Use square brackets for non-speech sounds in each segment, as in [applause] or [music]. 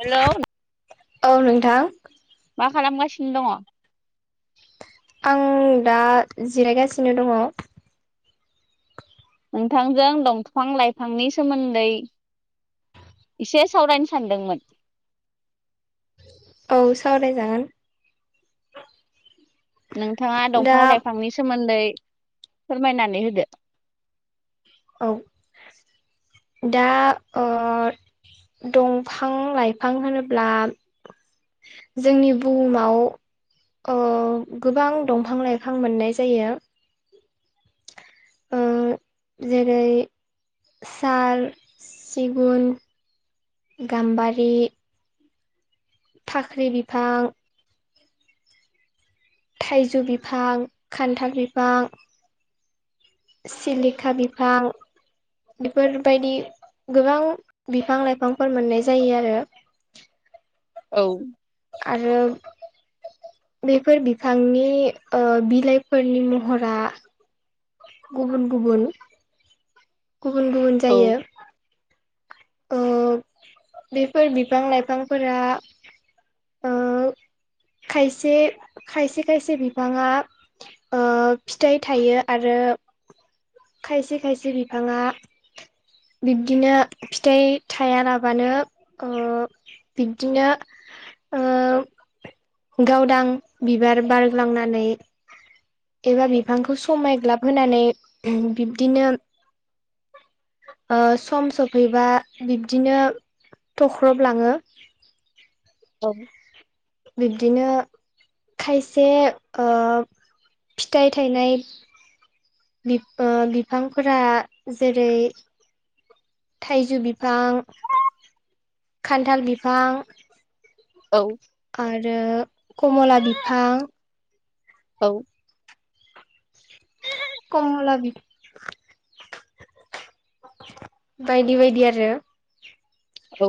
Hello औ नोंथां। मा खालामगासिनो दङ'? आं दा जिरायगासिनो दङ'। नोंथांजों दंफां लाइफांनि सोमोन्दै इसे सावरायनो सानदोंमोन। औ सावरायजागोन। नोंथाङा दा दंफां लाइफांनि सोमोन्दै फोरमायनानै होदो औ दा ओ दंफां लाइफां होनोब्ला जोंनि बुहुमाव ओ गोबां दंफां लाइफां मोननाय जायो। ओ [inaudible] जेरै सार सिगुन गाम्बारि फाख्रि बिफां थाइजौ बिफां खान्थाल बिफां सिलिखा बिफां बेफोरबायदि गोबां बिफां लाइफांफोर मोननाय जायो आरो औ आरो बेफोर बिफांनि ओ बिलाइफोरनि महरा गुबुन गुबुन गुबुन गुबुन औ जायो। ओ बेफोर बिफां लाइफांफोरा ओ [inaudible] खायसे खायसे खायसे बिफाङा ओ फिथाइ थायो आरो खायसे खायसे बिफाङा बिब्दिनो फिथाइ थायालानाबानो ओ बिब्दिनो ओ [inaudible] गावदां बिबार बारग्लांनानै एबा बिफांखौ समायग्लाबहानै बिब्दिनो ओ सम सफैबा बिब्दिनो थख्रबलाङो द' बिब्दिनो खायसे ओ फिथाइ थायनाय बि- ओ बिफांफोरा जेरै थाइजौ बिफां खान्थाल बिफां औ आरो कमला बिफां औ कमला बि बायदि बायदि आरो औ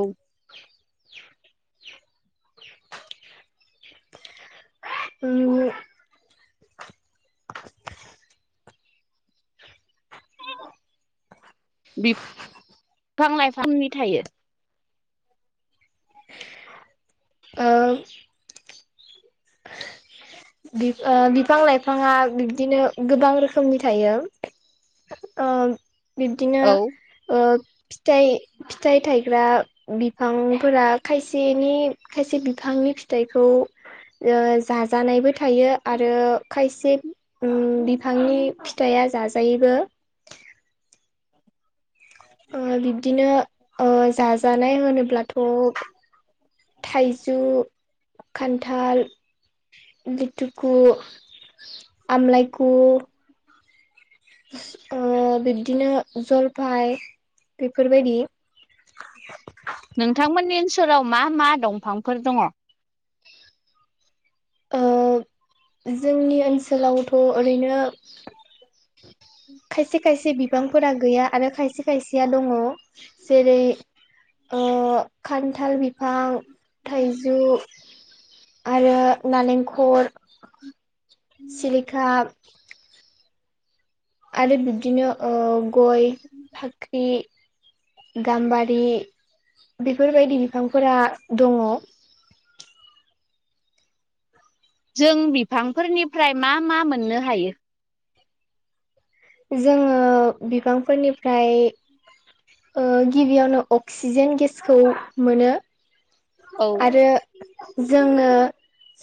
उम [inaudible] बिफां लाइफांनि थायो ओ बि ओ बिफां लाइफाङा बिब्दिनो गोबां रोखोमनि थायो ओ बिबदिनो औ ओ फिथइ फिथाइ थायग्रा बिफांफोरा खायसेनि खायसे बिफां नि फिथाइखौ ओ जा जानायबो थायो आरो खायसे बिफांनि फिथाइा जाजायोबो [inaudible] बिब्दिनो जाजानाय होनोब्लाथ' थाइजौ खान्थाल लिटुखौ आमलायखौ ओ बिब्दिनो जलफाय बेफोरबायदि [inaudible] नोंथांमोननि ओनसोलाव मा मा दंफांफोर दङ ओ जोंनि ओनसोलावथ' ओरैनो खायसे खायसे बिबांफोरा गैया आरो खायसे खायसेया दङ जेरै ओ खान्थाल बिफां थाइजौ आरो नालेंखर सिलिखा आरो बिब्दिनो ओ गय फाख्रि गाम्बारि बेफोरबायदि बिफांफोरा दङ जों बिफांफोरनिफ्राय मा मा मोननो हायो जोङो बिबांफोरनिफ्राय गिबियावनो अक्सिजेन गेसखौ मोनो औ आरो जोंनो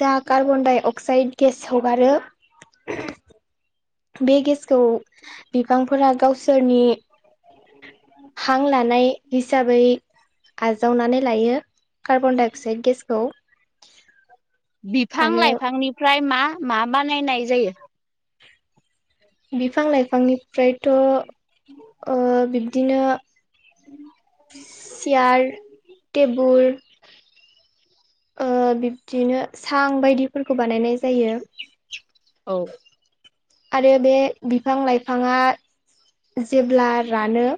जा कार्बन दडाइ अक्साइड गेस हगारो [inaudible] बे गेसखौ बिफांफोरा गावसोरनि हां लानाय हिसाबै आजावनानै लायो कार्बन डाइ अक्साइड गेसखौ बिफां आरो लाइफांनिफ्राय मा मा बानायनाय जायो बिफां लाइफांनिफ्रायथ' बिदिनो चयार टेबोल बिब्दिनो सां बायदिफोरखौ बानायनाय जायो औ आरो बे बिफां लाइफाङा जेब्ला रानो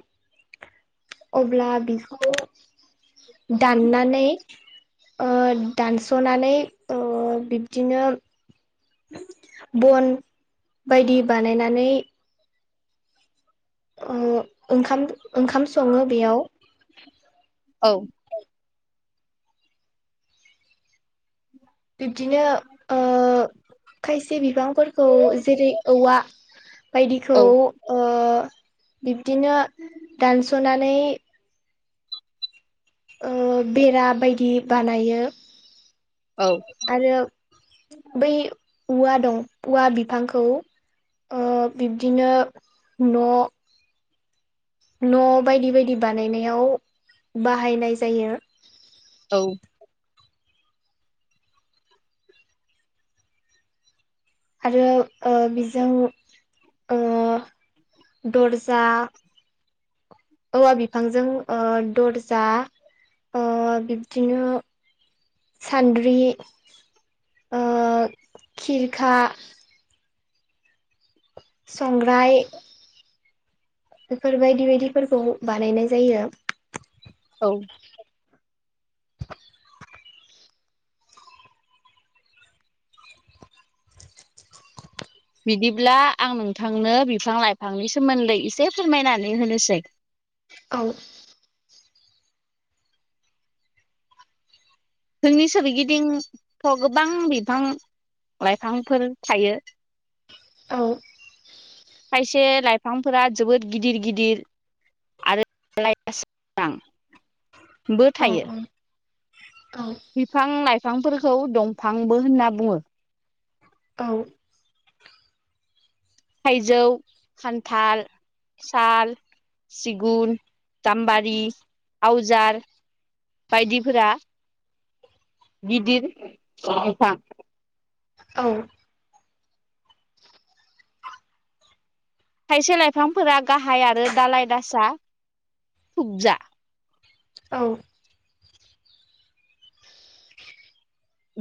अब्ला बिखौ दाननानै ओ दानस'नानै ओ बिब्दिनो बन बायदि बानायनानै ओओंखाम ओंखाम सङो बेयाव औ बिब्दिनो खायसे बिबांफोरखौ जेरै औवा बायदिखौ औ बिब्दिनो दानस'नानै ओ बेरा बायदि बानायो औ आरो बै औवा दं औवा बिफांखौ बिब्दिनो न' न' बायदि बायदि बानायनायाव बाहायनाय जायो। औ आरो बिजों दरजा औवा बिफांजों दरजा बिब्दिनो सान्द्रि खिरखा संह्राय बेफोर बायदि बायदिफोरखौ बानायनाय जायो। औ बिदिब्ला आं नोंथांनो बिफां लाइफांनि सोमोन्दै एसे फोरमायनानै होनोसै औ जोंनि सोरगिदिंथ' गोबां बिफां लाइफांफोर थायो। औ खायसे लाइफांफोरा जोबोद गिदिर गिदिर। आरो [unintelligible] बो औ थायो। औ बिफां लाइफांफोरखौ दंफांबो होनना बुङो। औ थाइजौ खान्थाल साल सिगुन गामबारि आवजार बायदिफोरा गिदिर बिफां औ खायसे लाइफांफोरा गाहाय आरो दालाय दासा थुबजा औ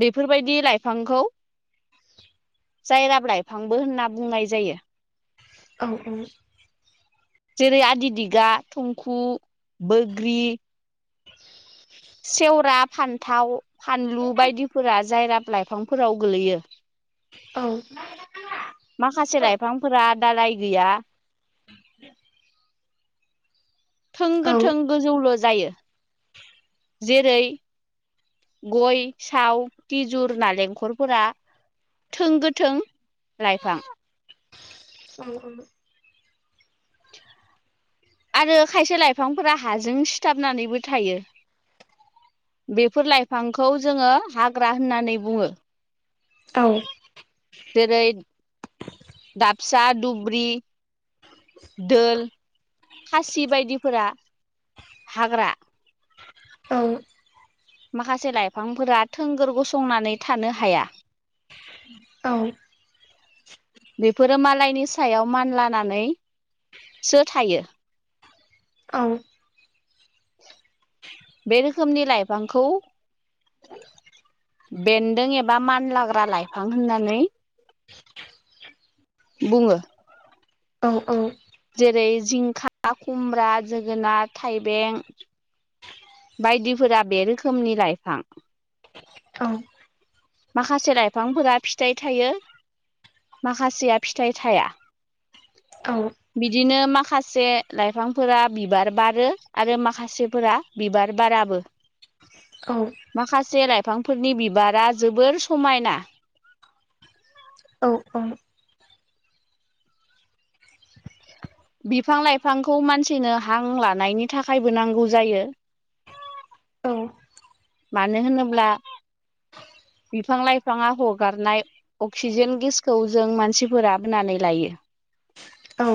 बेफोरबायदि लाइफांखौ जायराब लाइफांबो होनना बुंनाय जायो। औ औ जेरै आदि दिगा थुंखु बैग्रि सेवरा फान्थाव फानलु बायदिफोरा जाय लाइफांफोराव गोलैयो। औ माखासे लाइफांफोरा दालाय गैया। [inaudible] थों औ औ गोथों गोजौल' जायो। जेरै गय साव खिजुर नालेंखरफोरा थों गोथों लाइफां औ औ आरो खायसे लाइफांफोरा हाजों सिथाबनानैबो थायो। बेफोर लाइफांखौ जोङो हाग्रा होननानै बुङो। औ औ जेरै फिसा दुब्रि दोल खासि बायदिफोरा हाग्रा औ माखासे लाइफांफोरा थोंगोर गसंनानै थानो हाया। औ बेफोरो मालायनि सायाव मानलानानैसो थायो। औ बे रोखोमनि लाइफांखौ [inaudible] बेन्दों एबा मानलाग्रा लाइफां होननानै बुङो औ औ जेरै जिंखा, खुमब्रा, जोगोनार, थाइबें, बायदिफोरा बे रोखोमनि लाइफां औ माखासे लाइफांफोरा फिथाइ थायो माखासेया फिथाइ थाया। बिदिनो माखासे लाइफांफोरा बिबार बारो आरो माखासेफोरा बिबार बाराबो। माखासे लाइफांफोरनि बिबारा जोबोर समायना औ औ बिफां-लाइफांखौ मानसिनो हां लानायनि थाखायबो नांगौ जायो। [inaudible] मानो होनोब्ला बिफां-लाइफाङा हगारनाय अक्सिजेन गेसखौ जों मानसिफोरा होनोनानै लायो। औ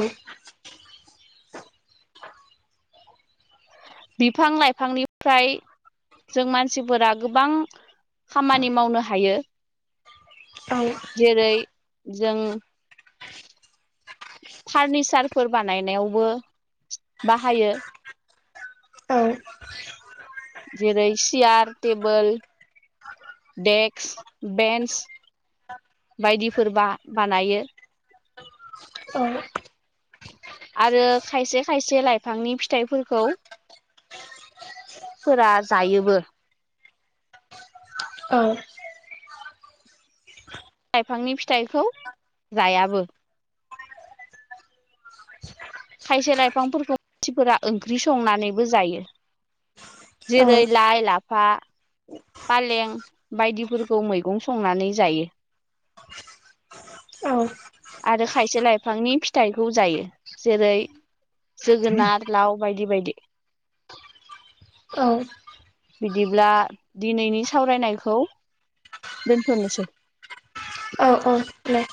बिफां-लाइफांनिफ्राय जों मानसिफोरा गोबां खामानि मावनो हायो। जेरै जों फार्निचारफोर बानायनायावबो बाहायो। जेरै चियार-टेबोल डेक्स-बेन्स बायदिफोर बा बानायो। औ आरो खायसे खायसे लाइफांनि फिथाइफोरखौ फोरा जायोबो औ लाइफांनि फिथाइखौ जायाबो खायसे लाइफांफोरखौ मानसिफोरा ओंख्रि संनानैबो जायो। जेरै लाइ-लाफा फालें बायदिफोरखौ मैगं संनानै जायो। आरो खायसे लाइफांनि फिथाइखौ जायो जेरै जोगोनार, लाव बायदि बायदि औ बिदिब्ला दिनैनि सावरायनायखौ दोनथ'नोसै औ औ दे